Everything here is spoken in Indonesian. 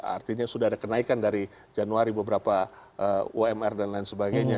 artinya sudah ada kenaikan dari januari beberapa umr dan lain sebagainya